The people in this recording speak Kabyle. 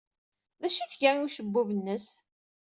D acu ay tga i ucebbub-nnes?